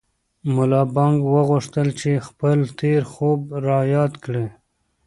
ملا بانګ وغوښتل چې خپل تېر خوب را یاد کړي.